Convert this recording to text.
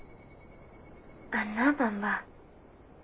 ☎あんなばんば。